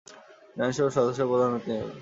আইনসভার সদস্যরা প্রধানমন্ত্রী নির্বাচন করেন।